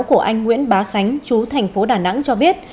của anh nguyễn bá khánh chú thành phố đà nẵng cho biết